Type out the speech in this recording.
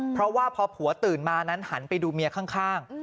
เพราะว่าพอผัวตื่นมานั้นหันไปดูเมียข้าง